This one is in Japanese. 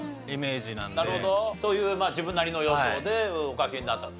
そういう自分なりの予想でお書きになったと。